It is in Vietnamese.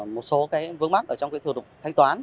một số vướng mắt trong thủ đục thanh toán